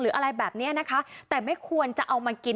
อะไรแบบนี้นะคะแต่ไม่ควรจะเอามากิน